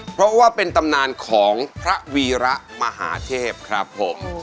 เพราะว่าเป็นตำนานของพระวีระมหาเทพครับผม